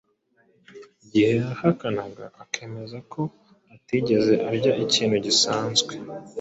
Igihe yahakanaga akemeza ko atigeze arya ikintu gisanzwe